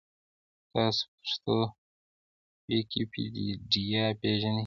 تاسو پښتو ویکیپېډیا پېژنۍ؟